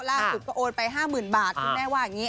ล่าสุดก็โอนไป๕๐๐๐บาทคุณแม่ว่าอย่างนี้